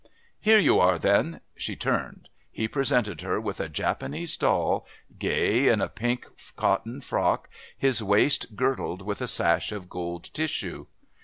"Here you are, then." She turned. He presented her with a Japanese doll, gay in a pink cotton frock, his waist girdled with a sash of gold tissue.